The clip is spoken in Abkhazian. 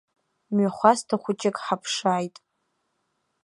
Мҩахәасҭа хәыҷык ҳаԥшааит.